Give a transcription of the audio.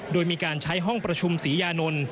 โดยมีการใช้ห้องประชุมศรียานนท์